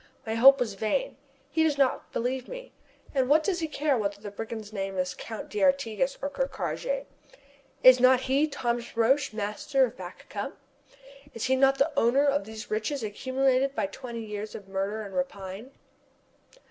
My hope was vain. He does not believe me. And then what does he care whether the brigand's name is Count 'd'Artigas or Ker Karraje? Is not he, Thomas Roch, master of Back Cup? Is he not the owner of these riches accumulated by twenty years of murder and rapine?